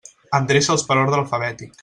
Endreça'ls per ordre alfabètic.